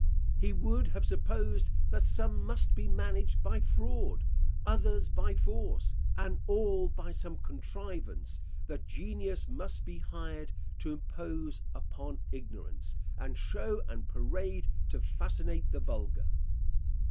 He would have supposed that some must be managed by fraud, others by force, and all by some contrivance; that genius must be hired to impose upon ignorance, and show and parade to fascinate the vulgar.